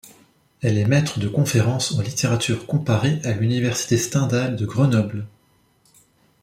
Elle est maître de conférences en littérature comparée à l'université Stendhal de Grenoble.